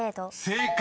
［正解。